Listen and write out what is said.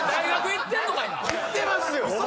行ってます！